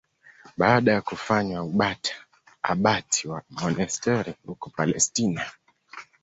Baada ya kufanywa abati wa monasteri huko Palestina.